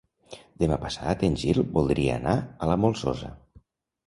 Demà passat en Gil voldria anar a la Molsosa.